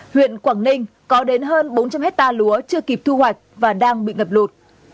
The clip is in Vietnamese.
huyện quảng ninh có đến hơn bốn trăm linh hectare lúa chưa kịp thu hoạch và đang bị ngập lụt